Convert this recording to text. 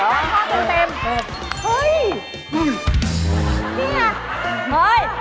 เกลี้ย